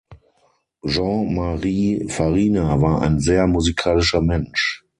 Jean Marie Farina war ein sehr musikalischer Mensch.